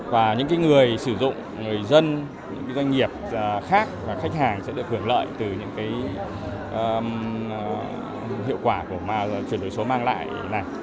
và những người sử dụng người dân doanh nghiệp khác khách hàng sẽ được hưởng lợi từ những hiệu quả của doanh nghiệp